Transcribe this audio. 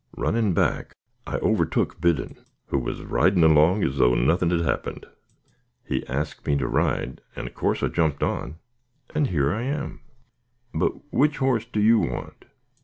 Running back, I overtook Biddon, who was riding along as though nothing had happened. He asked me to ride and of course I jumped on, and here I am. But which hoss do you want?"